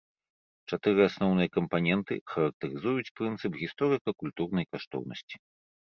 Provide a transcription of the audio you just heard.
Чатыры асноўныя кампаненты характарызуюць прынцып гісторыка-культурнай каштоўнасці.